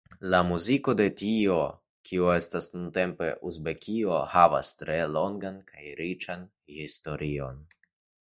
La muziko de tio kio estas nuntempe Uzbekio havas tre longan kaj riĉan historion.